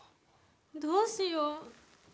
どうしよう。